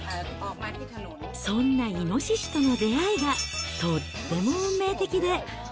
そんなイノシシとの出会いが、とっても運命的で。